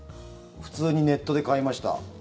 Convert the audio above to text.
普通にネットで買いました。